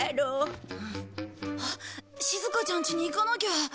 あっしずかちゃんちに行かなきゃ。